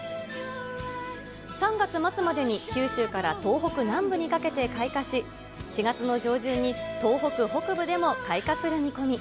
３月末までに九州から東北南部にかけて開花し、４月の上旬に東北北部でも開花する見込み。